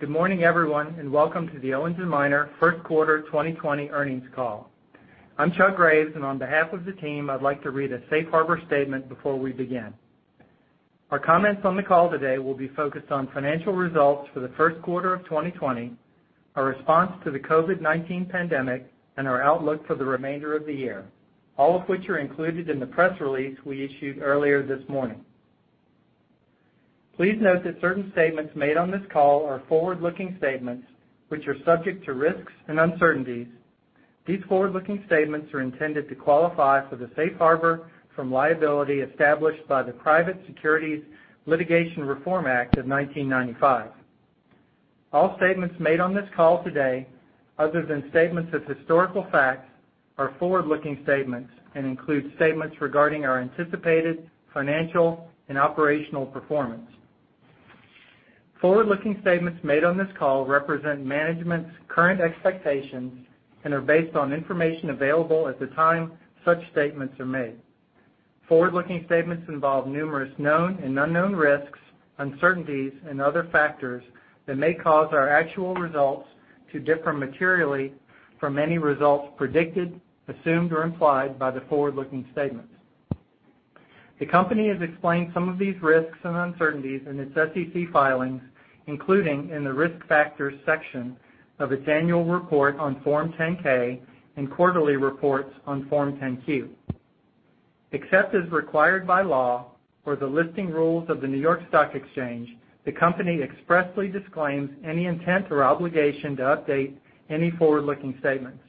Good morning, everyone, and welcome to the Owens & Minor first quarter 2020 earnings call. I'm Chuck Graves, and on behalf of the team, I'd like to read a safe harbor statement before we begin. Our comments on the call today will be focused on financial results for the first quarter of 2020, our response to the COVID-19 pandemic, and our outlook for the remainder of the year, all of which are included in the press release we issued earlier this morning. Please note that certain statements made on this call are forward-looking statements, which are subject to risks and uncertainties. These forward-looking statements are intended to qualify for the safe harbor from liability established by the Private Securities Litigation Reform Act of 1995. All statements made on this call today, other than statements of historical facts, are forward-looking statements and include statements regarding our anticipated financial and operational performance. Forward-looking statements made on this call represent management's current expectations and are based on information available at the time such statements are made. Forward-looking statements involve numerous known and unknown risks, uncertainties, and other factors that may cause our actual results to differ materially from any results predicted, assumed, or implied by the forward-looking statements. The company has explained some of these risks and uncertainties in its SEC filings, including in the risk factors section of its annual report on Form 10-K and quarterly reports on Form 10-Q. Except as required by law or the listing rules of the New York Stock Exchange, the company expressly disclaims any intent or obligation to update any forward-looking statements.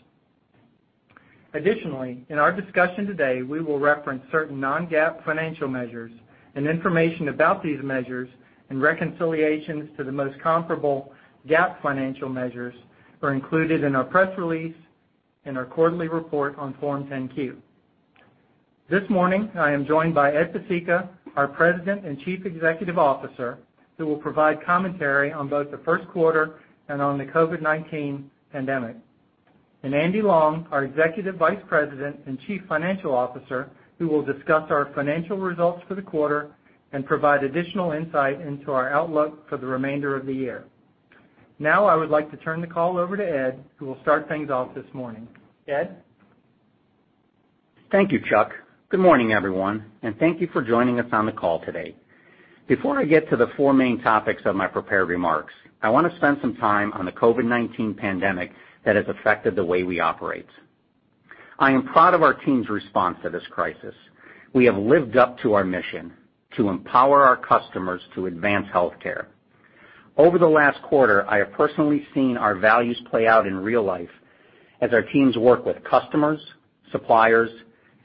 Additionally, in our discussion today, we will reference certain non-GAAP financial measures. Information about these measures and reconciliations to the most comparable GAAP financial measures are included in our press release and our quarterly report on Form 10-Q. This morning, I am joined by Ed Pesicka, our President and Chief Executive Officer, who will provide commentary on both the first quarter and on the COVID-19 pandemic. Andy Long, our Executive Vice President and Chief Financial Officer, will discuss our financial results for the quarter and provide additional insight into our outlook for the remainder of the year. Now I would like to turn the call over to Ed, who will start things off this morning. Ed? Thank you, Chuck. Good morning, everyone, and thank you for joining us on the call today. Before I get to the four main topics of my prepared remarks, I want to spend some time on the COVID-19 pandemic that has affected the way we operate. I am proud of our team's response to this crisis. We have lived up to our mission to empower our customers to advance healthcare. Over the last quarter, I have personally seen our values play out in real life as our teams work with customers, suppliers,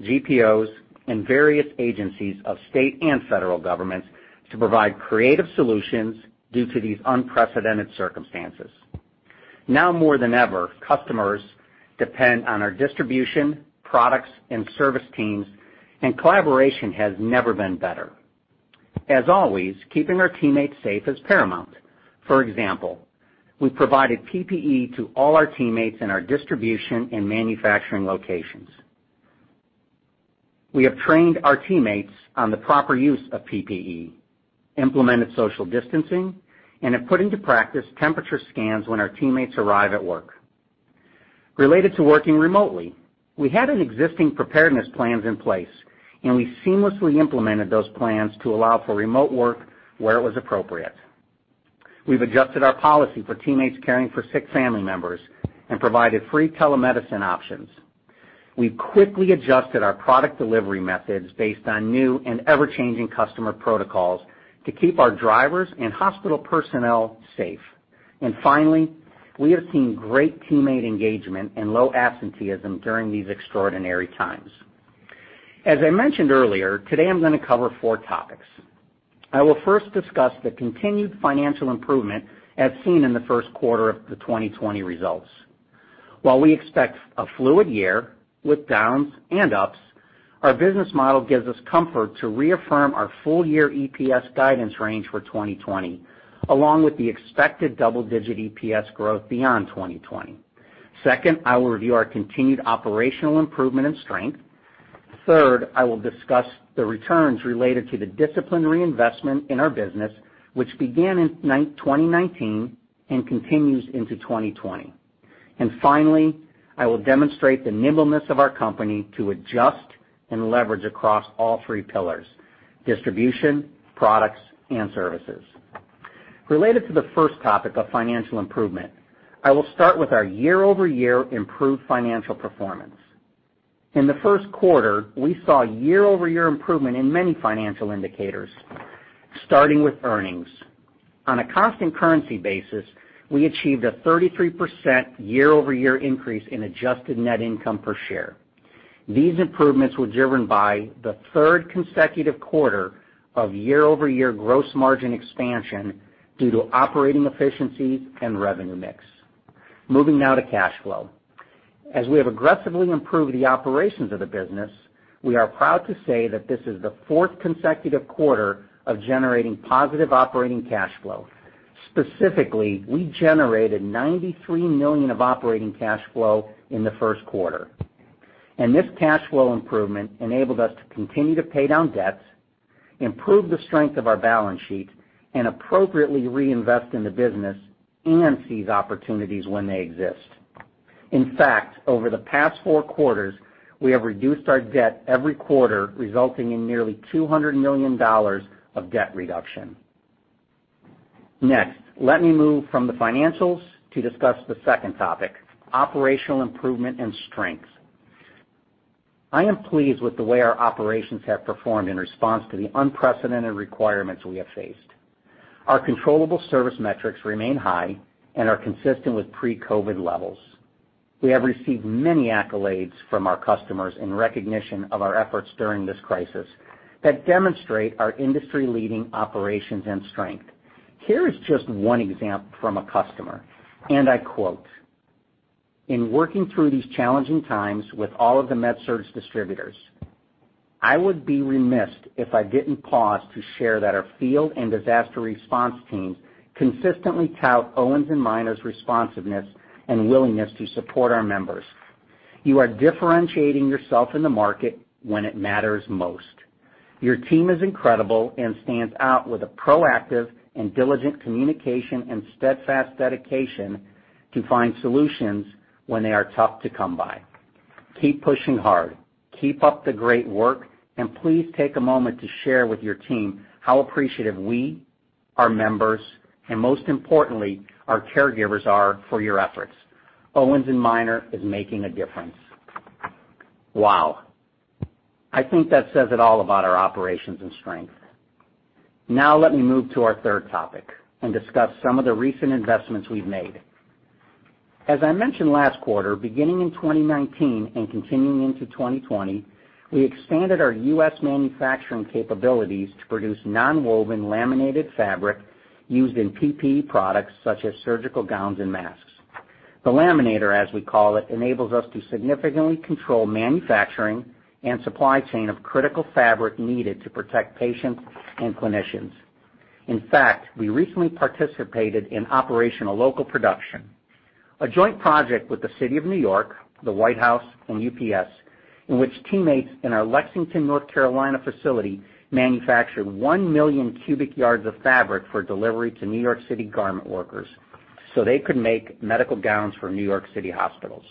GPOs, and various agencies of state and federal governments to provide creative solutions due to these unprecedented circumstances. Now more than ever, customers depend on our distribution, products, and service teams, and collaboration has never been better. As always, keeping our teammates safe is paramount. For example, we provided PPE to all our teammates in our distribution and manufacturing locations. We have trained our teammates on the proper use of PPE, implemented social distancing, and have put into practice temperature scans when our teammates arrive at work. Related to working remotely, we had an existing preparedness plans in place, and we seamlessly implemented those plans to allow for remote work where it was appropriate. We've adjusted our policy for teammates caring for sick family members and provided free telemedicine options. We've quickly adjusted our product delivery methods based on new and ever-changing customer protocols to keep our drivers and hospital personnel safe. Finally, we have seen great teammate engagement and low absenteeism during these extraordinary times. As I mentioned earlier, today I'm going to cover four topics. I will first discuss the continued financial improvement as seen in the first quarter of the 2020 results. While we expect a fluid year with downs and ups, our business model gives us comfort to reaffirm our full-year EPS guidance range for 2020, along with the expected double-digit EPS growth beyond 2020. Second, I will review our continued operational improvement and strength. Third, I will discuss the returns related to the disciplinary investment in our business, which began in 2019 and continues into 2020. Finally, I will demonstrate the nimbleness of our company to adjust and leverage across all three pillars: distribution, products, and services. Related to the first topic of financial improvement, I will start with our year-over-year improved financial performance. In the first quarter, we saw year-over-year improvement in many financial indicators, starting with earnings. On a constant currency basis, we achieved a 33% year-over-year increase in adjusted net income per share. These improvements were driven by the third consecutive quarter of year-over-year gross margin expansion due to operating efficiencies and revenue mix. Moving now to cash flow. As we have aggressively improved the operations of the business, we are proud to say that this is the fourth consecutive quarter of generating positive operating cash flow. Specifically, we generated $93 million of operating cash flow in the first quarter. This cash flow improvement enabled us to continue to pay down debts, improve the strength of our balance sheet, and appropriately reinvest in the business and seize opportunities when they exist. In fact, over the past four quarters, we have reduced our debt every quarter, resulting in nearly $200 million of debt reduction. Next, let me move from the financials to discuss the second topic, operational improvement and strength. I am pleased with the way our operations have performed in response to the unprecedented requirements we have faced. Our controllable service metrics remain high and are consistent with pre-COVID levels. We have received many accolades from our customers in recognition of our efforts during this crisis that demonstrate our industry-leading operations and strength. Here is just one example from a customer, and I quote, in working through these challenging times with all of the MedSurg distributors, I would be remiss if I didn't pause to share that our field and disaster response teams consistently tout Owens & Minor's responsiveness and willingness to support our members. You are differentiating yourself in the market when it matters most. Your team is incredible and stands out with a proactive and diligent communication and steadfast dedication to find solutions when they are tough to come by. Keep pushing hard, keep up the great work, and please take a moment to share with your team how appreciative we, our members, and most importantly, our caregivers are for your efforts. Owens & Minor is making a difference. Wow. I think that says it all about our operations and strength. Now, let me move to our third topic and discuss some of the recent investments we've made. As I mentioned last quarter, beginning in 2019 and continuing into 2020, we expanded our U.S. manufacturing capabilities to produce nonwoven laminated fabric used in PPE products such as surgical gowns and masks. The laminator, as we call it, enables us to significantly control manufacturing and supply chain of critical fabric needed to protect patients and clinicians. In fact, we recently participated in Operation Local Production, a joint project with the City of New York, The White House, and UPS, in which teammates in our Lexington, North Carolina, facility manufactured 1 million cubic yards of fabric for delivery to New York City garment workers so they could make medical gowns for New York City hospitals.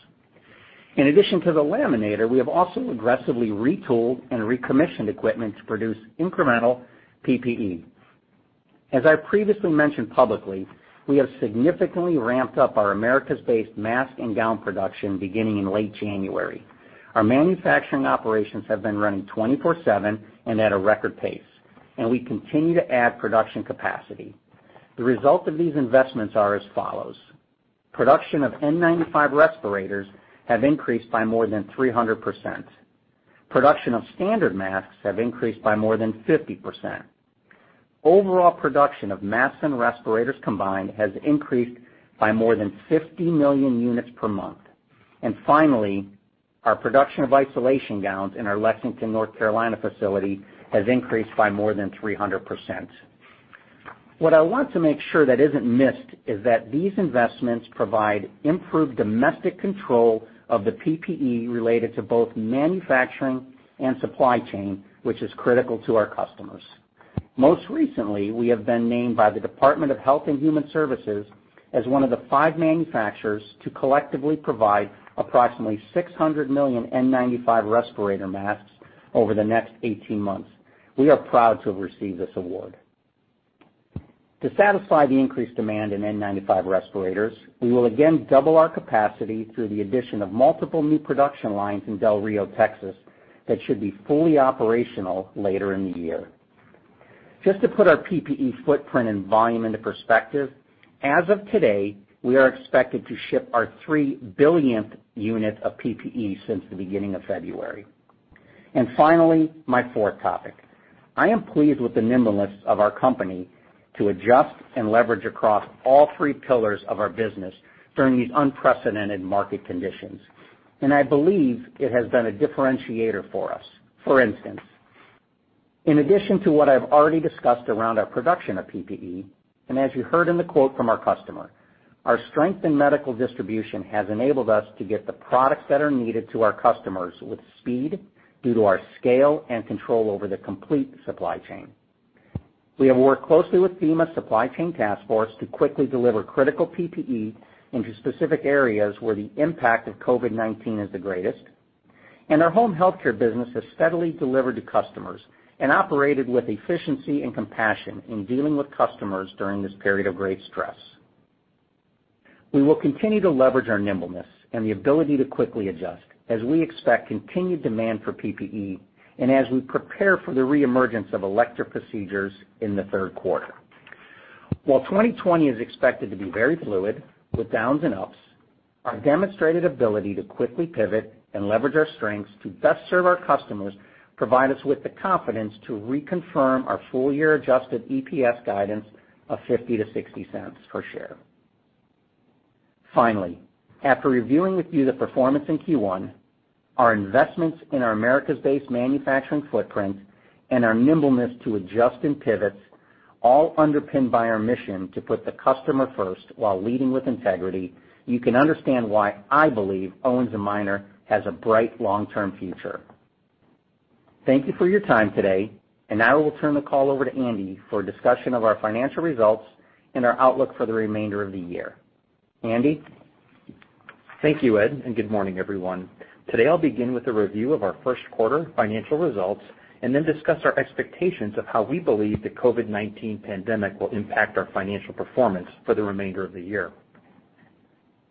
In addition to the laminator, we have also aggressively retooled and recommissioned equipment to produce incremental PPE. As I previously mentioned publicly, we have significantly ramped up our Americas-based mask and gown production beginning in late January. Our manufacturing operations have been running 24/7 and at a record pace, and we continue to add production capacity. The result of these investments are as follows. Production of N95 respirators have increased by more than 300%. Production of standard masks have increased by more than 50%. Overall production of masks and respirators combined has increased by more than 50 million units per month. Finally, our production of isolation gowns in our Lexington, North Carolina, facility has increased by more than 300%. What I want to make sure that isn't missed is that these investments provide improved domestic control of the PPE related to both manufacturing and supply chain, which is critical to our customers. Most recently, we have been named by the Department of Health and Human Services as one of the five manufacturers to collectively provide approximately 600 million N95 respirator masks over the next 18 months. We are proud to have received this award. To satisfy the increased demand in N95 respirators, we will again double our capacity through the addition of multiple new production lines in Del Rio, Texas, that should be fully operational later in the year. Just to put our PPE footprint and volume into perspective, as of today, we are expected to ship our 3 billionth unit of PPE since the beginning of February. Finally, my fourth topic. I am pleased with the nimbleness of our company to adjust and leverage across all three pillars of our business during the unprecedented market conditions, and I believe it has been a differentiator for us. For instance, in addition to what I've already discussed around our production of PPE, as you heard in the quote from our customer, our strength in medical distribution has enabled us to get the products that are needed to our customers with speed due to our scale and control over the complete supply chain. We have worked closely with FEMA's supply chain task force to quickly deliver critical PPE into specific areas where the impact of COVID-19 is the greatest. Our home healthcare business has steadily delivered to customers and operated with efficiency and compassion in dealing with customers during this period of great stress. We will continue to leverage our nimbleness and the ability to quickly adjust as we expect continued demand for PPE and as we prepare for the reemergence of elective procedures in the third quarter. While 2020 is expected to be very fluid, with downs and ups, our demonstrated ability to quickly pivot and leverage our strengths to best serve our customers provide us with the confidence to reconfirm our full-year adjusted EPS guidance of $0.50-$0.60 per share. Finally, after reviewing with you the performance in Q1, our investments in our Americas-based manufacturing footprint, and our nimbleness to adjust and pivot, all underpinned by our mission to put the customer first while leading with integrity, you can understand why I believe Owens & Minor has a bright long-term future. Thank you for your time today. Now I will turn the call over to Andy for a discussion of our financial results and our outlook for the remainder of the year. Andy? Thank you, Ed. Good morning, everyone. Today, I'll begin with a review of our first quarter financial results and then discuss our expectations of how we believe the COVID-19 pandemic will impact our financial performance for the remainder of the year.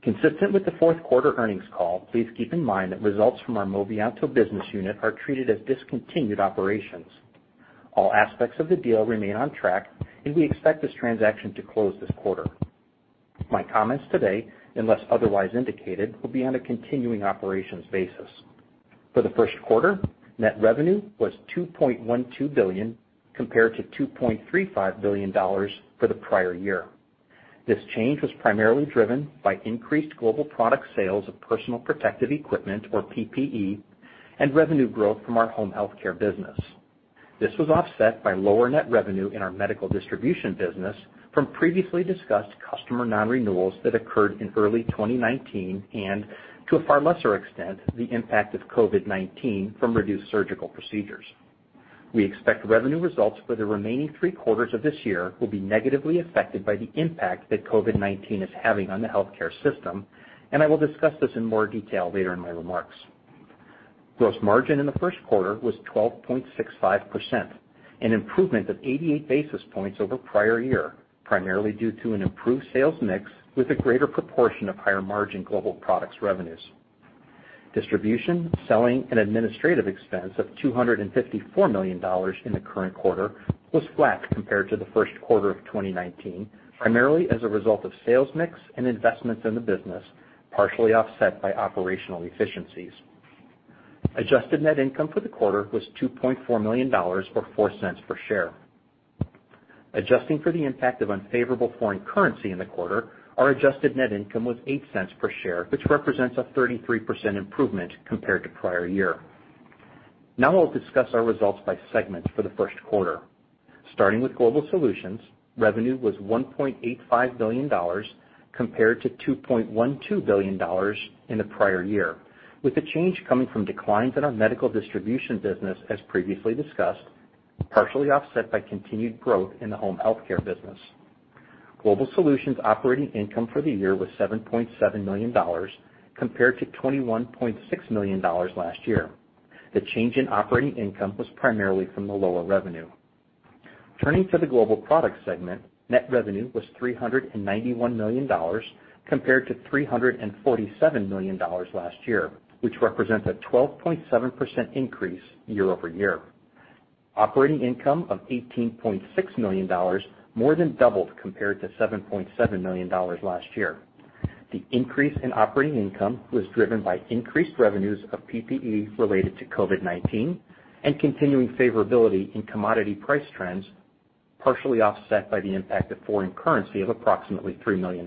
Consistent with the fourth quarter earnings call, please keep in mind that results from our Movianto business unit are treated as discontinued operations. All aspects of the deal remain on track. We expect this transaction to close this quarter. My comments today, unless otherwise indicated, will be on a continuing operations basis. For the first quarter, net revenue was $2.12 billion, compared to $2.35 billion for the prior year. This change was primarily driven by increased Global Products sales of personal protective equipment, or PPE, and revenue growth from our home healthcare business. This was offset by lower net revenue in our medical distribution business from previously discussed customer non-renewals that occurred in early 2019 and, to a far lesser extent, the impact of COVID-19 from reduced surgical procedures. We expect revenue results for the remaining three quarters of this year will be negatively affected by the impact that COVID-19 is having on the healthcare system, and I will discuss this in more detail later in my remarks. Gross margin in the first quarter was 12.65%, an improvement of 88 basis points over prior year, primarily due to an improved sales mix with a greater proportion of higher-margin Global Products revenues. Distribution, selling, and administrative expense of $254 million in the current quarter was flat compared to the first quarter of 2019, primarily as a result of sales mix and investments in the business, partially offset by operational efficiencies. Adjusted net income for the quarter was $2.4 million, or $0.04 per share. Adjusting for the impact of unfavorable foreign currency in the quarter, our adjusted net income was $0.08 per share, which represents a 33% improvement compared to prior year. Now I'll discuss our results by segment for the first quarter. Starting with Global Solutions, revenue was $1.85 billion, compared to $2.12 billion in the prior year, with the change coming from declines in our medical distribution business as previously discussed, partially offset by continued growth in the home healthcare business. Global Solutions operating income for the year was $7.7 million, compared to $21.6 million last year. The change in operating income was primarily from the lower revenue. Turning to the Global Products segment, net revenue was $391 million, compared to $347 million last year, which represents a 12.7% increase year-over-year. Operating income of $18.6 million more than doubled compared to $7.7 million last year. The increase in operating income was driven by increased revenues of PPE related to COVID-19 and continuing favorability in commodity price trends, partially offset by the impact of foreign currency of approximately $3 million.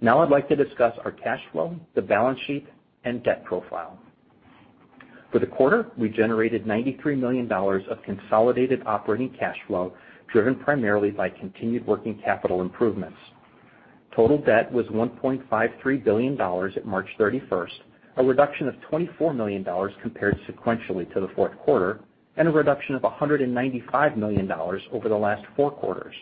Now, I'd like to discuss our cash flow, the balance sheet, and debt profile. For the quarter, we generated $93 million of consolidated operating cash flow, driven primarily by continued working capital improvements. Total debt was $1.53 billion at March 31st, a reduction of $24 million compared sequentially to the fourth quarter, and a reduction of $195 million over the last four quarters.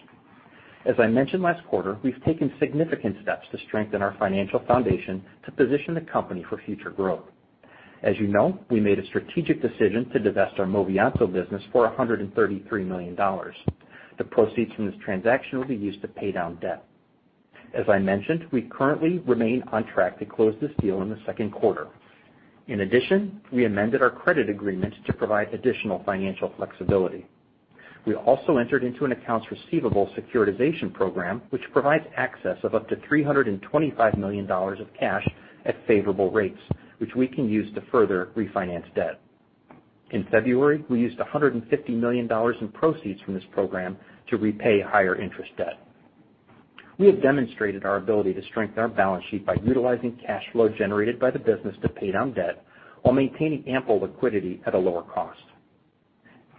As I mentioned last quarter, we've taken significant steps to strengthen our financial foundation to position the company for future growth. As you know, we made a strategic decision to divest our Movianto business for $133 million. The proceeds from this transaction will be used to pay down debt. As I mentioned, we currently remain on track to close this deal in the second quarter. In addition, we amended our credit agreement to provide additional financial flexibility. We also entered into an accounts receivable securitization program, which provides access of up to $325 million of cash at favorable rates, which we can use to further refinance debt. In February, we used $150 million in proceeds from this program to repay higher interest debt. We have demonstrated our ability to strengthen our balance sheet by utilizing cash flow generated by the business to pay down debt while maintaining ample liquidity at a lower cost.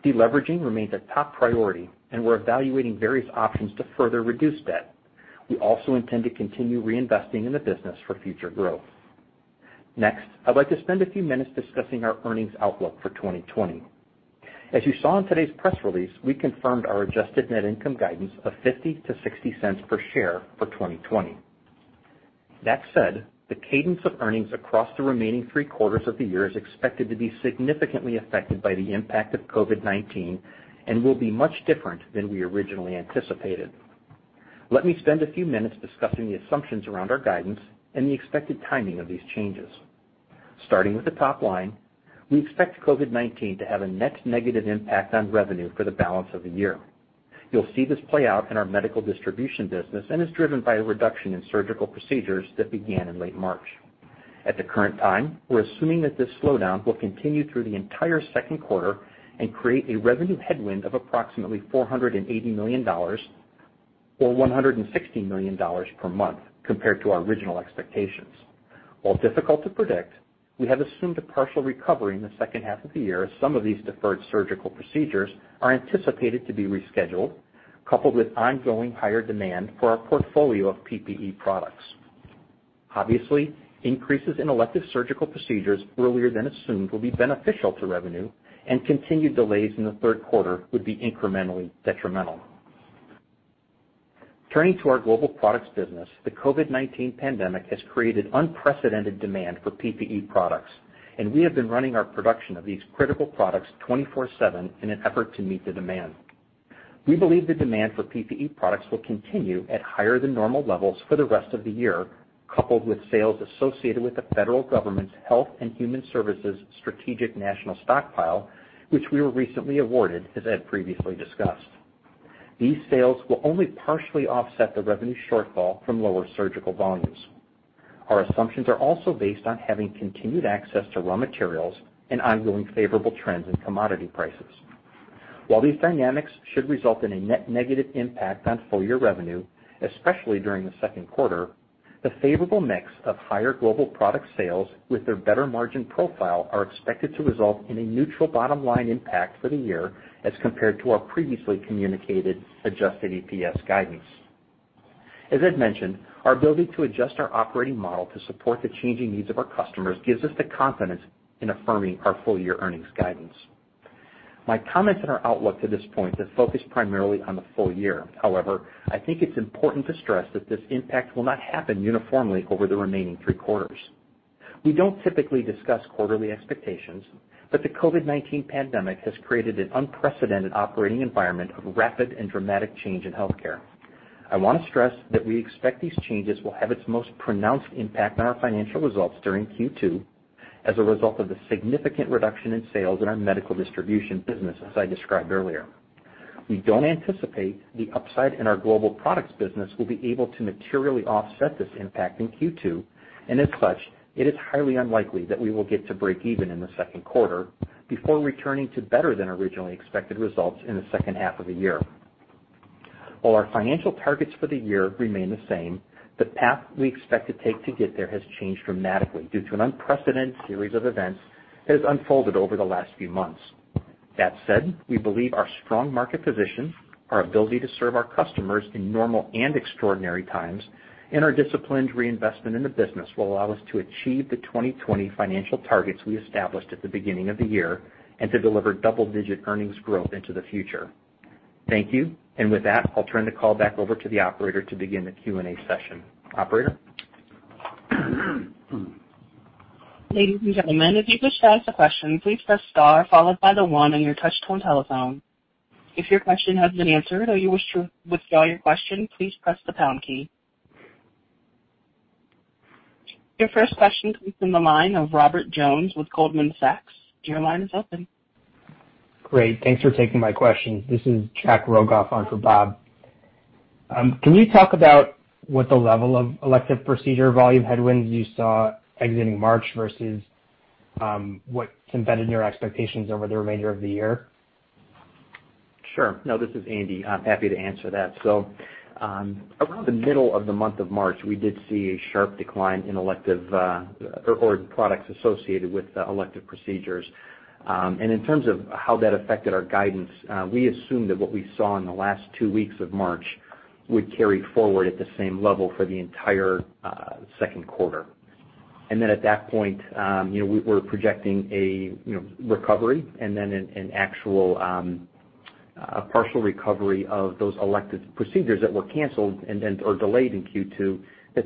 Deleveraging remains a top priority, and we're evaluating various options to further reduce debt. We also intend to continue reinvesting in the business for future growth. Next, I'd like to spend a few minutes discussing our earnings outlook for 2020. As you saw in today's press release, we confirmed our adjusted net income guidance of $0.50-$0.60 per share for 2020. That said, the cadence of earnings across the remaining three quarters of the year is expected to be significantly affected by the impact of COVID-19 and will be much different than we originally anticipated. Let me spend a few minutes discussing the assumptions around our guidance and the expected timing of these changes. Starting with the top line, we expect COVID-19 to have a net negative impact on revenue for the balance of the year. You'll see this play out in our medical distribution business and is driven by a reduction in surgical procedures that began in late March. At the current time, we're assuming that this slowdown will continue through the entire second quarter and create a revenue headwind of approximately $480 million. On $160 million per month compared to our original expectations. While difficult to predict, we have assumed a partial recovery in the second half of the year as some of these deferred surgical procedures are anticipated to be rescheduled, coupled with ongoing higher demand for our portfolio of PPE products. Obviously, increases in elective surgical procedures earlier than assumed will be beneficial to revenue, and continued delays in the third quarter would be incrementally detrimental. Turning to our Global Products business, the COVID-19 pandemic has created unprecedented demand for PPE products, and we have been running our production of these critical products 24/7 in an effort to meet the demand. We believe the demand for PPE products will continue at higher than normal levels for the rest of the year, coupled with sales associated with the federal government's Department of Health and Human Services Strategic National Stockpile, which we were recently awarded, as Ed previously discussed. These sales will only partially offset the revenue shortfall from lower surgical volumes. Our assumptions are also based on having continued access to raw materials and ongoing favorable trends in commodity prices. While these dynamics should result in a net negative impact on full-year revenue, especially during the second quarter, the favorable mix of higher Global Products sales with their better margin profile are expected to result in a neutral bottom-line impact for the year as compared to our previously communicated adjusted EPS guidance. As Ed mentioned, our ability to adjust our operating model to support the changing needs of our customers gives us the confidence in affirming our full-year earnings guidance. My comments on our outlook to this point have focused primarily on the full year. However, I think it's important to stress that this impact will not happen uniformly over the remaining three quarters. We don't typically discuss quarterly expectations, but the COVID-19 pandemic has created an unprecedented operating environment of rapid and dramatic change in healthcare. I want to stress that we expect these changes will have its most pronounced impact on our financial results during Q2 as a result of the significant reduction in sales in our medical distribution business, as I described earlier. We don't anticipate the upside in our Global Products business will be able to materially offset this impact in Q2. As such, it is highly unlikely that we will get to break even in the second quarter before returning to better than originally expected results in the second half of the year. While our financial targets for the year remain the same, the path we expect to take to get there has changed dramatically due to an unprecedented series of events that has unfolded over the last few months. That said, we believe our strong market position, our ability to serve our customers in normal and extraordinary times, and our disciplined reinvestment in the business will allow us to achieve the 2020 financial targets we established at the beginning of the year and to deliver double-digit earnings growth into the future. Thank you. With that, I'll turn the call back over to the operator to begin the Q&A session. Operator? Ladies and gentlemen, if you wish to ask a question, please press star followed by the one on your touchtone telephone. If your question has been answered or you wish to withdraw your question, please press the pound key. Your first question comes from the line of Robert Jones with Goldman Sachs. Your line is open. Great, thanks for taking my question. This is Jack Rogoff on for Bob. Can you talk about what the level of elective procedure volume headwinds you saw exiting March versus what's embedded in your expectations over the remainder of the year? Sure. Now, this is Andy. I'm happy to answer that. Around the middle of the month of March, we did see a sharp decline in elective or products associated with elective procedures. In terms of how that affected our guidance, we assumed that what we saw in the last two weeks of March would carry forward at the same level for the entire second quarter. At that point, we're projecting a recovery and then a partial recovery of those elective procedures that were canceled or delayed in Q2, that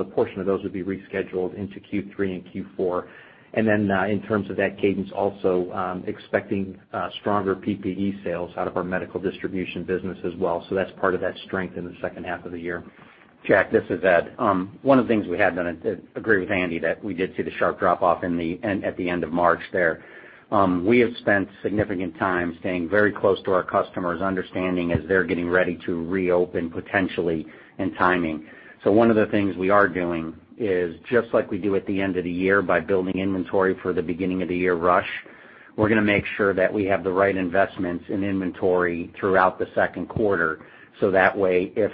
a portion of those would be rescheduled into Q3 and Q4. In terms of that cadence also, expecting stronger PPE sales out of our medical distribution business as well. That's part of that strength in the second half of the year. Jack, this is Ed. One of the things we have done, I agree with Andy, that we did see the sharp drop-off at the end of March there. We have spent significant time staying very close to our customers, understanding as they're getting ready to reopen potentially and timing. One of the things we are doing is, just like we do at the end of the year by building inventory for the beginning of the year rush, we're going to make sure that we have the right investments in inventory throughout the second quarter, so that way, if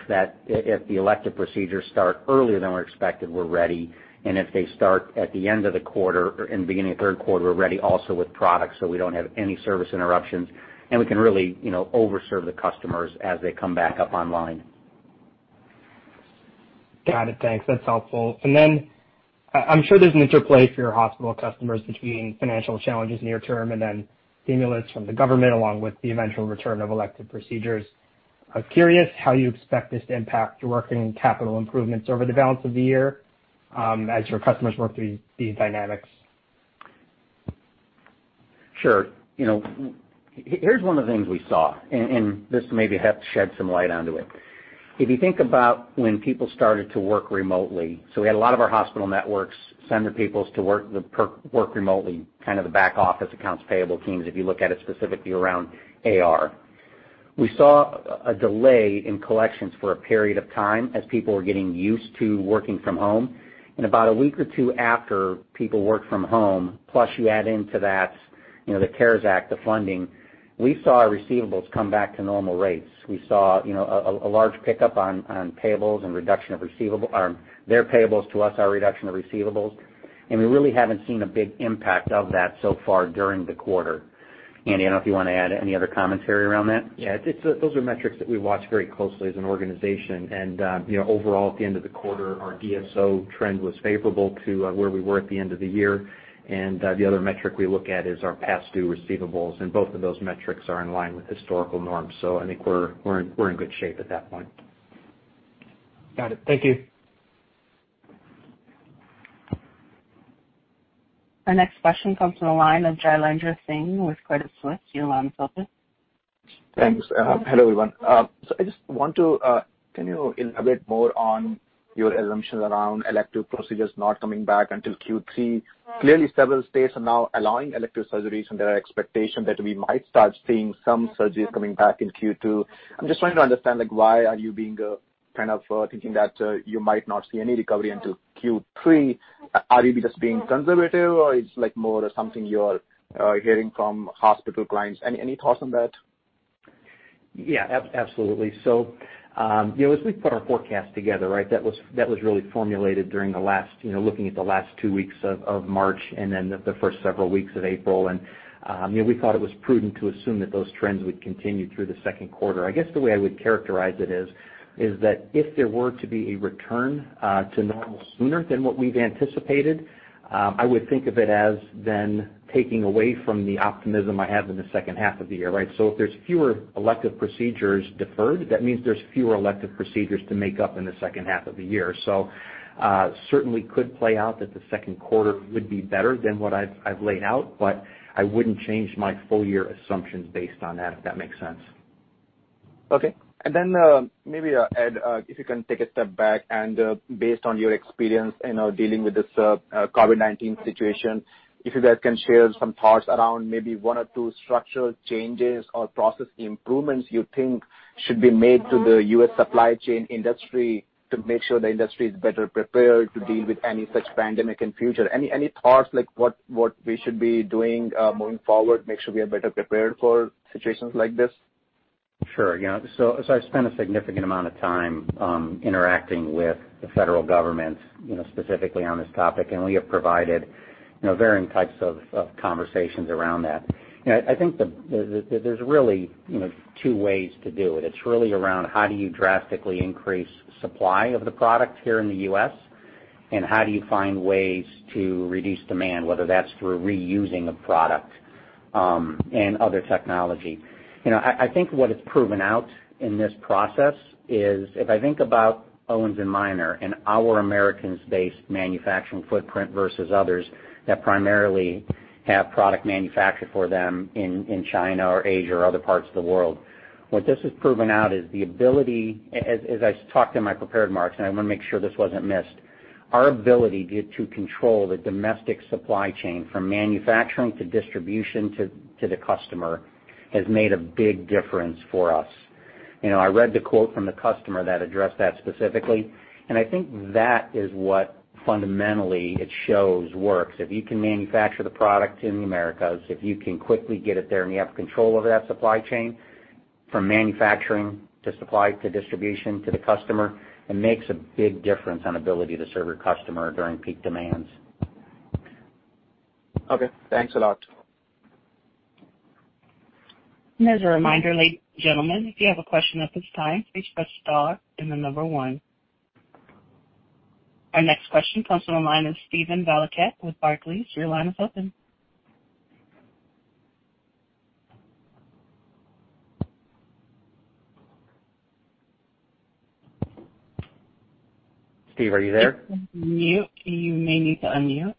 the elective procedures start earlier than we're expected, we're ready. If they start at the end of the quarter or in the beginning of third quarter, we're ready also with products, so we don't have any service interruptions, and we can really over-serve the customers as they come back up online. Got it. Thanks. That's helpful. Then I'm sure there's an interplay for your hospital customers between financial challenges near term and then stimulus from the government along with the eventual return of elective procedures. I'm curious how you expect this to impact your working capital improvements over the balance of the year as your customers work through these dynamics. Sure. Here's one of the things we saw. This maybe helps shed some light onto it. If you think about when people started to work remotely, we had a lot of our hospital networks send their people to work remotely, kind of the back office accounts payable teams, if you look at it specifically around AR. We saw a delay in collections for a period of time as people were getting used to working from home. About a week or two after people worked from home, plus you add into that the CARES Act, the funding, we saw our receivables come back to normal rates. We saw a large pickup on payables and reduction of receivables, their payables to us, our reduction of receivables. We really haven't seen a big impact of that so far during the quarter. Andy, I don't know if you want to add any other commentary around that? Yeah. Those are metrics that we watch very closely as an organization. Overall, at the end of the quarter, our DSO trend was favorable to where we were at the end of the year, and the other metric we look at is our past due receivables, and both of those metrics are in line with historical norms. I think we're in good shape at that point. Got it. Thank you. Our next question comes from the line of Jailendra Singh with Credit Suisse. Your line is open. Thanks. Hello, everyone. I just want to. Can you elaborate more on your assumptions around elective procedures not coming back until Q3? Clearly, several states are now allowing elective surgeries, and there are expectations that we might start seeing some surgeries coming back in Q2. I'm just trying to understand, why are you thinking that you might not see any recovery until Q3? Are you just being conservative, or it's more something you're hearing from hospital clients? Any thoughts on that? Yeah, absolutely. As we put our forecast together, that was really formulated looking at the last two weeks of March and then the first several weeks of April. We thought it was prudent to assume that those trends would continue through the second quarter. I guess the way I would characterize it is that if there were to be a return to normal sooner than what we've anticipated, I would think of it as then taking away from the optimism I have in the second half of the year. If there's fewer elective procedures deferred, that means there's fewer elective procedures to make up in the second half of the year. Certainly could play out that the second quarter would be better than what I've laid out, but I wouldn't change my full year assumptions based on that, if that makes sense. Okay. Then, maybe, Ed, if you can take a step back and based on your experience in dealing with this COVID-19 situation, if you guys can share some thoughts around maybe one or two structural changes or process improvements you think should be made to the U.S. supply chain industry to make sure the industry is better prepared to deal with any such pandemic in future. Any thoughts, like what we should be doing moving forward, make sure we are better prepared for situations like this? Sure. I spent a significant amount of time interacting with the federal government, specifically on this topic, and we have provided varying types of conversations around that. I think there's really two ways to do it. It's really around how do you drastically increase supply of the product here in the U.S., and how do you find ways to reduce demand, whether that's through reusing a product and other technology. I think what it's proven out in this process is if I think about Owens & Minor and our American-based manufacturing footprint versus others that primarily have product manufactured for them in China or Asia or other parts of the world, what this has proven out is the ability, as I talked in my prepared remarks, and I want to make sure this wasn't missed, our ability to control the domestic supply chain, from manufacturing to distribution to the customer, has made a big difference for us. I read the quote from the customer that addressed that specifically, and I think that is what fundamentally it shows works. If you can manufacture the product in the Americas, if you can quickly get it there and you have control over that supply chain, from manufacturing to supply to distribution to the customer, it makes a big difference on ability to serve your customer during peak demands. Okay. Thanks a lot. As a reminder, ladies and gentlemen, if you have a question at this time, please press star and the number one. Our next question comes from the line of Steven Valiquette with Barclays. Your line is open. Steve, are you there? Steve is on mute. You may need to unmute.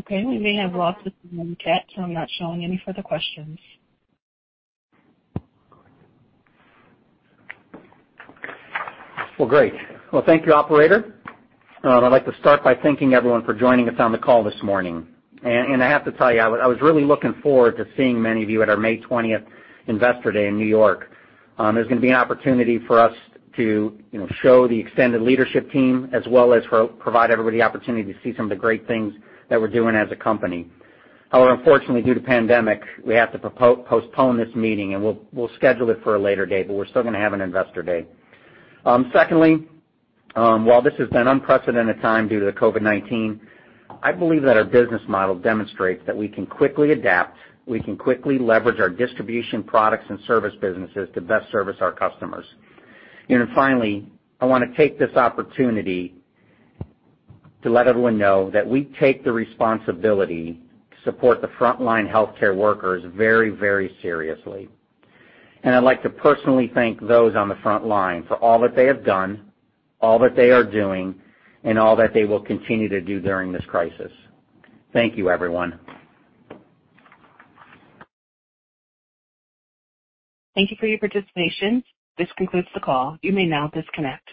Okay, we may have lost Steven Valiquette. I'm not showing any further questions. Well, great. Well, thank you, operator. I'd like to start by thanking everyone for joining us on the call this morning. I have to tell you, I was really looking forward to seeing many of you at our May 20th Investor Day in New York. There is going to be an opportunity for us to show the extended leadership team as well as provide everybody the opportunity to see some of the great things that we are doing as a company. However, unfortunately, due to pandemic, we have to postpone this meeting, and we will schedule it for a later date, but we are still going to have an Investor Day. Secondly, while this has been unprecedented time due to COVID-19, I believe that our business model demonstrates that we can quickly adapt, we can quickly leverage our distribution products and service businesses to best service our customers. Finally, I want to take this opportunity to let everyone know that we take the responsibility to support the frontline healthcare workers very, very seriously. I'd like to personally thank those on the frontline for all that they have done, all that they are doing, and all that they will continue to do during this crisis. Thank you, everyone. Thank you for your participation. This concludes the call. You may now disconnect.